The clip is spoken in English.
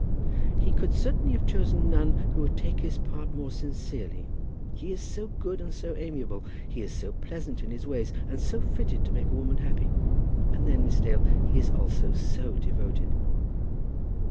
"He could certainly have chosen none who would take his part more sincerely. He is so good and so amiable! He is so pleasant in his ways, and so fitted to make a woman happy! And then, Miss Dale, he is also so devoted!"